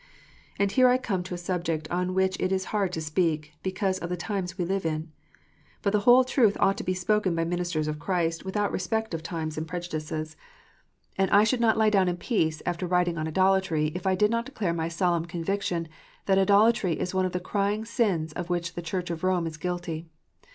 And here I come to a subject on which it is hard to speak, because of the times we live in. But the whole truth ought to be spoken by ministers of Christ, without respect of times and 410 KNOTS UNTIED. prejudices. And I should not lie down in peace, after writing on idolatry, if I did not declare my solemn conviction that idolatry is one of the crying sins of which the Church of Koine is guilty.